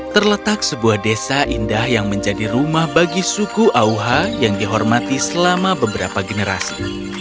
terletak sebuah desa indah yang menjadi rumah bagi suku auha yang dihormati selama beberapa generasi